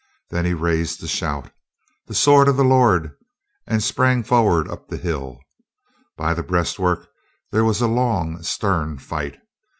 Then he raised the shout, "The sword of the Lord!" and sprang for ward up the hill. By the breastwork there was a long, stern fight.